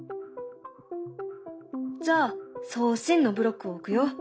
じゃあ「送信」のブロックを置くよ。